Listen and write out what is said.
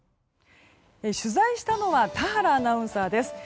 取材したのは田原アナウンサーです。